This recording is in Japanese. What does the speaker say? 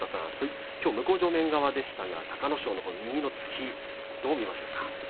向正面側でしたが隆の勝の右の突き、どう見ましたか。